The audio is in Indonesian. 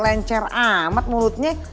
lancar amat mulutnya